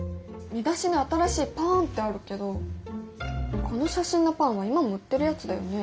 見出しの「新しいパーーーン」ってあるけどこの写真のパンは今も売ってるやつだよね？